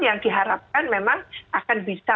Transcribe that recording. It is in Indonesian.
yang diharapkan memang akan bisa